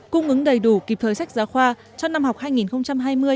cung ứng đầy đủ kịp thời sách giáo khoa cho năm học hai nghìn hai mươi hai nghìn hai mươi một